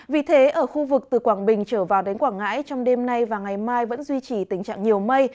vì thế ở khu vực từ quảng bình trở vào đến quảng ngãi trong đêm nay và ngày mai vẫn duy trì tình trạng nhiều mây